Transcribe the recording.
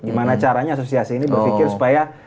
gimana caranya asosiasi ini berpikir supaya